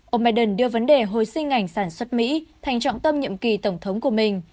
ông biden đưa vấn đề hồi sinh ngành sản xuất mỹ thành trọng tâm nhiệm kỳ tổng thống của mình